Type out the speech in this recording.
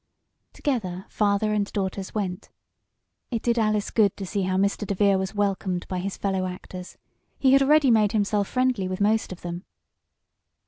Together father and daughters went. It did Alice good to see how Mr. DeVere was welcomed by his fellow actors. He had already made himself friendly with most of them.